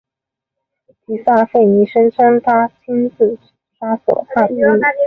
提萨斐尼声称他亲自杀死了叛逆。